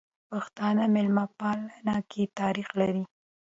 پښتانه ميلمه پالنې کی تاریخ لري.